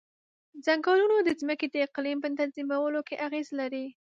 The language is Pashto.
ځنګلونه د ځمکې د اقلیم په تنظیمولو کې اغیز لري.